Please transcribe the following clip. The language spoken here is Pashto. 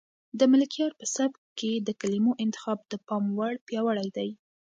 د ملکیار په سبک کې د کلمو انتخاب د پام وړ پیاوړی دی.